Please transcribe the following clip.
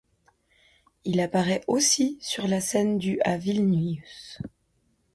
Il apparaît aussi sur la scène du à Vilnius.